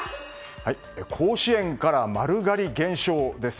甲子園から丸刈り減少？です。